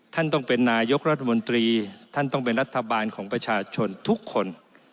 ท่านต้องเป็นนายกรัฐมนตรีท่านต้องเป็นรัฐบาลของประชาชนทุกคน